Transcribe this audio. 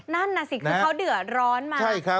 นั่นน่ะสิคือเขาเดือดร้อนมา